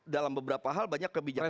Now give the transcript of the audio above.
dalam beberapa hal banyak kebijakan